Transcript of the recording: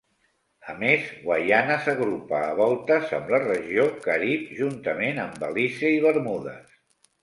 A més, Guaiana s'agrupa a voltes amb la regió Carib juntament amb Belize i Bermudes.